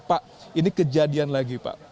pak ini kejadian lagi pak